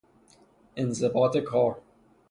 انضباط کار